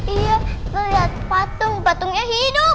iya aku lihat patung patungnya hidup